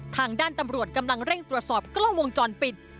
ทางด้านตำรวจกำลังเร่งตรวจสอบกล้องวงจรปิด